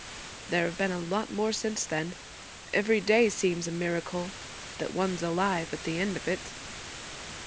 'There have been a lot more since then. Every day seems a miracle that one's alive at the end of it.'